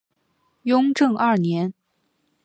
雍正二年。